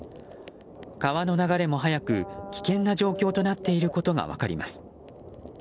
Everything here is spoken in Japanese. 川の流れも速く危険な状況となっていることが分かります。